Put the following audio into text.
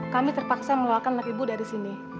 kami terpaksa mengeluarkan anak ibu dari sini